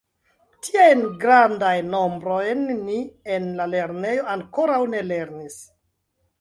Tiajn grandajn nombrojn ni en la lernejo ankoraŭ ne lernis.